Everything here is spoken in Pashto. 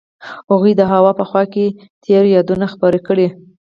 هغوی د هوا په خوا کې تیرو یادونو خبرې کړې.